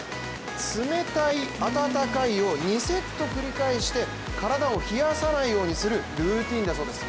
冷たい・温かいを２セット繰り返して体を冷やさないようにするルーチンだそうです。